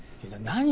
何？